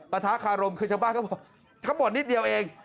ประทะคารมคือชาวบ้านเขาบอกถ้าบ่นนิดเดียวเอง